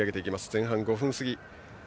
前半５分過ぎ。